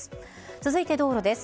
続いて道路です。